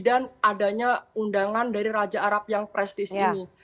adanya undangan dari raja arab yang prestis ini